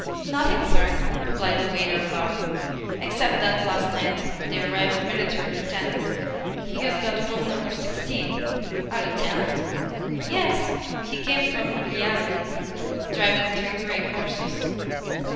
"Nothing, sir," replied the waiter, bowing, "except that last night there arrived a military lieutenant. He has got room number sixteen." "A lieutenant?" "Yes. He came from Riazan, driving three grey horses."